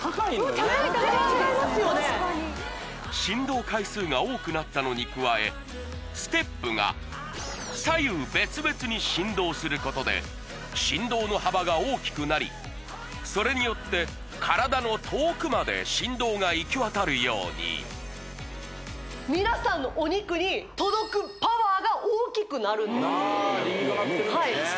確かに振動回数が多くなったのにくわえステップが左右別々に振動することで振動の幅が大きくなりそれによって体の遠くまで振動が行き渡るようにあ理にかなってるんだね